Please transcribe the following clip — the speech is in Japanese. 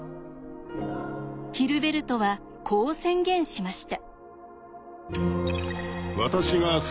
ヒルベルトはこう宣言しました。